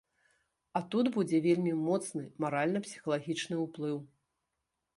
А тут будзе вельмі моцны маральна-псіхалагічны ўплыў.